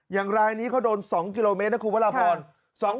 อย่างรายนี้เขาโดน๒กิโลเมตรนะครับคุณพระอบรรยา